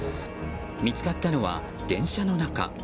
見つかったのは電車の中。